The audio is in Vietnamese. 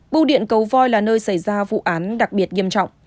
bưu điện cầu voi là nơi xảy ra vụ án đặc biệt nghiêm trọng